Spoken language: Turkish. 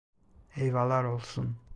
Eyvahlar olsun!